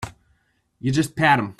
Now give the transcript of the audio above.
You just pat him.